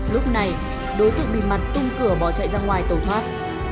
lúc này đối tượng bị mặt tung cửa bỏ chạy ra ngoài tổ thoát